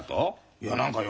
いや何かよ